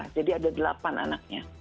jadi ada delapan anaknya